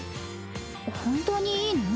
本当にいいの？